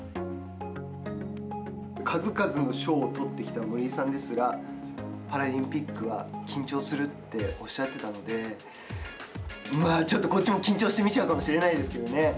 数々の賞を取ってきた森井さんですらパラリンピックは緊張するっておっしゃってたのでちょっとこっちも緊張して見ちゃうかもしれないですけどね。